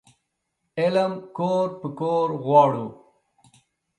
علم کور په کور غواړو